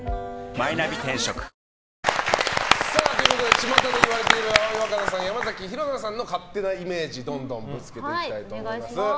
ちまたで噂の葵わかなさん山崎紘菜さんの勝手なイメージどんどんぶつけていきたいと思います。